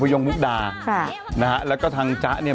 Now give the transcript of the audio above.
มันติดคุกออกไปออกมาได้สองเดือน